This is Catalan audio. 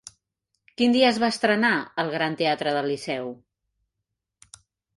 Quin dia es va estrenar al Gran Teatre del Liceu?